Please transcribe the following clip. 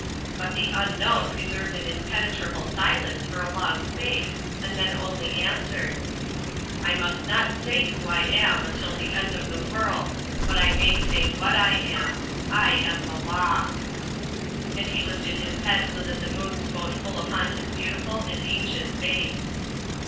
But the unknown preserved an impenetrable silence for a long space and then only answered: "I must not say who I am until the end of the world; but I may say what I am. I am the law." And he lifted his head so that the moon smote full upon his beautiful and ancient face.